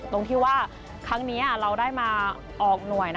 ตรงที่ว่าครั้งนี้เราได้มาออกหน่วย